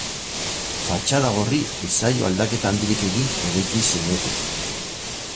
Fatxada horri ez zaio aldaketa handirik egin eraiki zenetik.